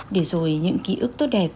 để rồi những ký ức tốt đẹp